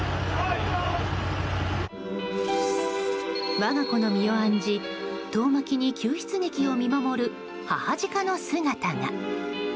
我が子の身を案じ、遠巻きに救出劇を見守る母ジカの姿が。